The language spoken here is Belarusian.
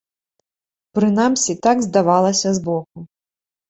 Прынамсі, так здавалася збоку.